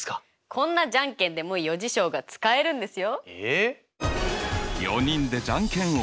こんなじゃんけんでも余事象が使えるんですよ。